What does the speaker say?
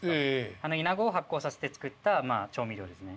あのイナゴを発酵させて作った調味料ですね。